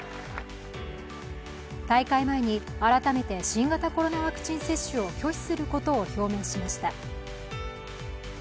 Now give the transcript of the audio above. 大会前に、改めて新型コロナワクチン接種を拒否することを表明しました。